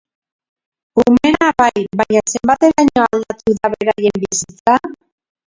Umeena bai, baina zenbateraino aldatu da beraien bizitza?